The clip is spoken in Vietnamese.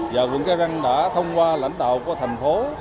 và quận cái răng đã thông qua lãnh đạo của thành phố